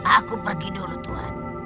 aku pergi dulu tuhan